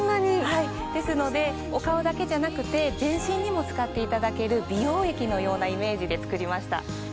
はいですのでお顔だけじゃなくて全身にも使っていただける美容液のようなイメージで作りました